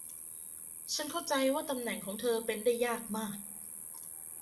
ฉันเข้าใจว่าตำแหน่งของเธอเป็นได้ยากมาก